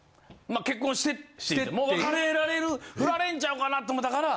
まあ結婚してもう別れられる振られんちゃうかなと思ったから。